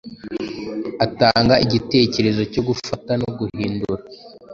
atanga igitekerezo cyo gufata no guhindura